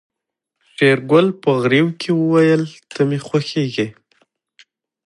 شېرګل په غريو کې وويل ته مې خوښيږې.